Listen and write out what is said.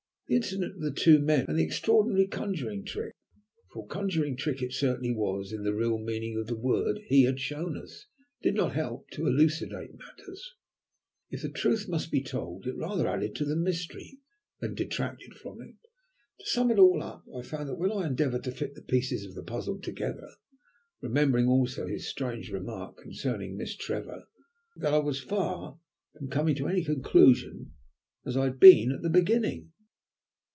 The incident of the two men, and the extraordinary conjuring trick, for conjuring trick it certainly was in the real meaning of the word, he had shown us, did not help to elucidate matters. If the truth must be told it rather added to the mystery than detracted from it. To sum it all up, I found, when I endeavoured to fit the pieces of the puzzle together, remembering also his strange remark concerning Miss Trevor, that I was as far from coming to any conclusion as I had been at the beginning.